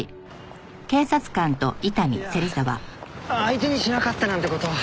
いや相手にしなかったなんて事は。